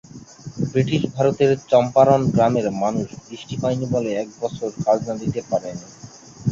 British ভারতের চম্পারণ গ্রামের মানুষ বৃষ্টি হয়নি বলে এক বছর খাজনা দিতে পারেনি।